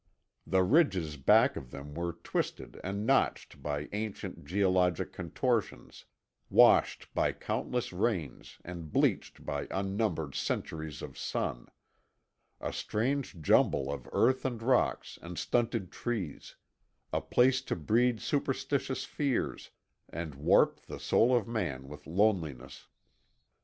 The ridges back of them were twisted and notched by ancient geologic contortions, washed by countless rains and bleached by unnumbered centuries of sun—a strange jumble of earth and rocks and stunted trees; a place to breed superstitious fears, and warp the soul of a man with loneliness.